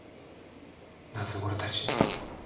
なぜ俺たちに？